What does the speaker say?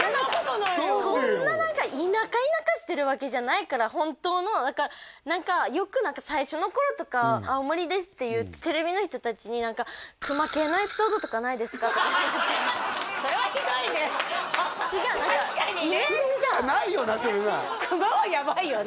何でよそんな田舎田舎してるわけじゃないから本当の何かよく最初の頃とか青森ですって言うとテレビの人達に何かそれはひどいね確かにねないよなそれな熊はやばいよね